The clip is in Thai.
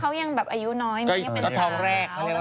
เขายังแบบอายุน้อยมีแม่เป็นสาว